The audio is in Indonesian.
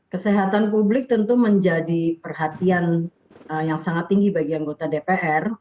kesehatan publik tentu menjadi perhatian yang sangat tinggi bagi anggota dpr